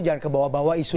jangan kebawa bawa isu